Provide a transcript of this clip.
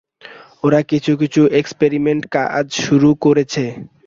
ওরা কিছু-কিছু এক্মপেরিমেন্টাল কাজ শুরু করেছে।